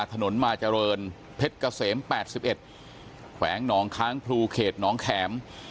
ถนนมาเจริญเพ็ดเกษมแปดสิบเอ็ดแขวงน้องค้างพลูเขตน้องแข็ม